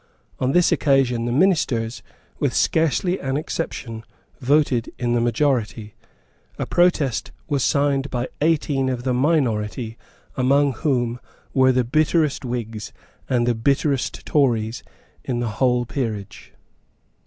On this occasion the ministers, with scarcely an exception, voted in the majority. A protest was signed by eighteen of the minority, among whom were the bitterest Whigs and the bitterest Tories in the whole peerage.